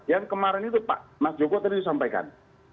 yang kemarin itu pak mas joko tadi disampaikan